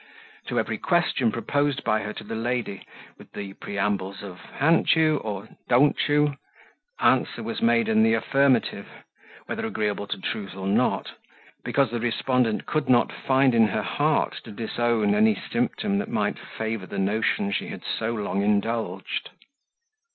To every question proposed by her to the lady, with the preambles of "Han't you?" or "Don't you?" answer was made in the affirmative, whether agreeable to truth or not, because the respondent could not find in her heart to disown any symptom that might favour the notion she had so long indulged.